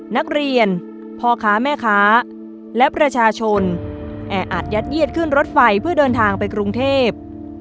นักเรียนพ่อค้าแม่ค้าและประชาชนแออาจยัดเยียดขึ้นรถไฟเพื่อเดินทางไปกรุงเทพ